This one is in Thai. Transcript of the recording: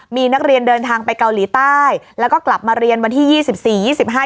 มีนักเรียนเดินทางไปเกาหลีใต้แล้วก็กลับมาเรียนวันที่ยี่สิบสี่ยี่สิบห้า